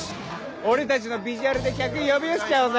俺たちのビジュアルで客呼び寄せちゃおうぜ！